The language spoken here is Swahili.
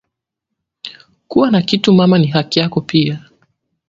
Kuwa na kitu mama ni haki yako pia